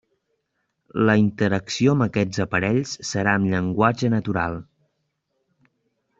La interacció amb aquests aparells serà amb llenguatge natural.